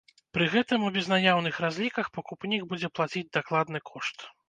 Пры гэтым у безнаяўных разліках пакупнік будзе плаціць дакладны кошт.